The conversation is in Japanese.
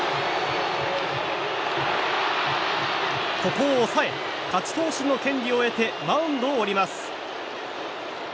ここを抑え勝ち投手の権利を得てマウンドを降ります。